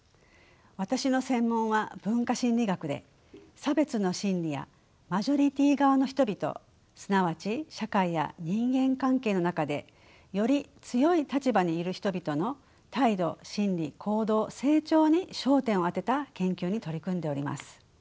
私の専門は文化心理学で差別の心理やマジョリティー側の人々すなわち社会や人間関係の中でより強い立場にいる人々の態度心理行動成長に焦点を当てた研究に取り組んでおります。